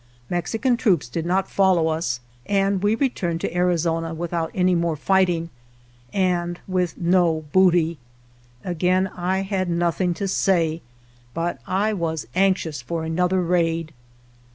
Mexican troops did not follow us, and we returned to Arizona with out any more fighting and with no booty. Again I had nothing to say, but I was anx ious for another raid.